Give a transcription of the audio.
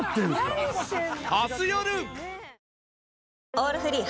「オールフリー」